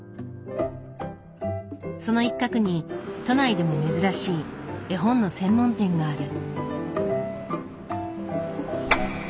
その一角に都内でも珍しい絵本の専門店がある。